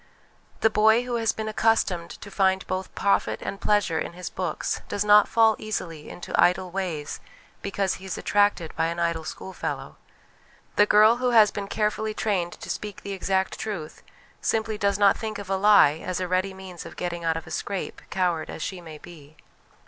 The boy who has been accustomed to find both profit and pleasure in his books does not fall easily into idle ways because he is attracted by an idle schoolfellow. The girl who has been carefully trained to speak the exact truth simply does not think of a lie as a ready means of getting out of a scrape, coward as she may be.